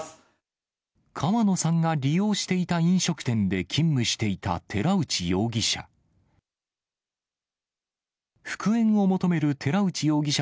川野さんが利用していた飲食店で勤務していた寺内容疑者。